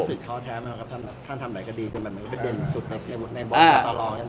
รู้สึกท้อแท้ไหมครับท่านทำไหนก็ดีกันมันไม่เป็นเด่นสุดในบอสตารองกัน